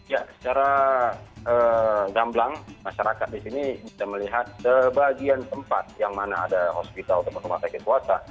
ya secara gamblang masyarakat di sini bisa melihat sebagian tempat yang mana ada hospital tempat rumah sakit swasta